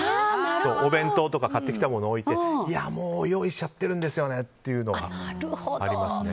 お弁当とか買ってきたものを置いてもう用意しちゃってるんですよねというのはありますね。